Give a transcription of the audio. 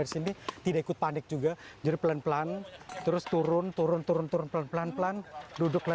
di sini tidak ikut panik juga jadi pelan pelan terus turun turun turun turun pelan pelan pelan duduklah